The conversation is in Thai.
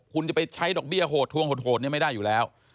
คุณจะไปใช้ดอกเบี้ยโหดทวงโหดเนี่ยไม่ได้อยู่แล้ว